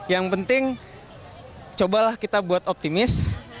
yang penting cobalah kita buat optimis